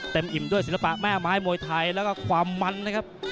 อิ่มด้วยศิลปะแม่ไม้มวยไทยแล้วก็ความมันนะครับ